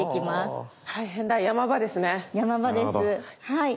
はい。